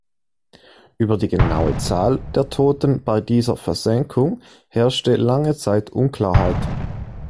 Über die genaue Zahl der Toten bei dieser Versenkung herrschte lange Zeit Unklarheit.